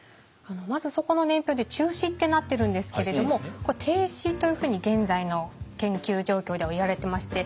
まずそこの年表で中止ってなってるんですけれどもこれ停止というふうに現在の研究状況ではいわれてまして。